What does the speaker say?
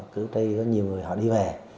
cứ đi có nhiều người họ đi về